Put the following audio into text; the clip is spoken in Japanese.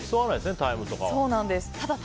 タイムとか。